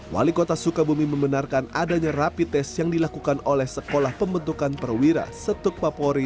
wali kota sukabumi membenarkan adanya rapi tes yang dilakukan oleh sekolah pembentukan perwira setuk papori